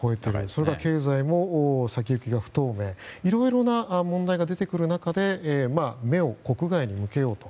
それから経済も先行きが不透明でいろんな問題が出てくる中で目を国外に向けようと。